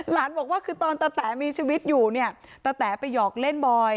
บอกว่าคือตอนตะแต๋มีชีวิตอยู่เนี่ยตะแต๋ไปหยอกเล่นบอย